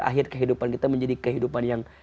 akhir kehidupan kita menjadi kehidupan yang